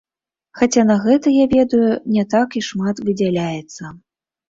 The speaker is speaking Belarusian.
Хаця на гэта, я ведаю, не так і шмат выдзяляецца.